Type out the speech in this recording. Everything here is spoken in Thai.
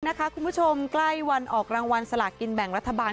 คุณผู้ชมใกล้วันออกรางวัลสลากกินแบ่งรัฐบาล